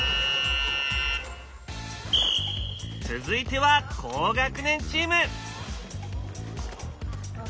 続いては高学年チーム。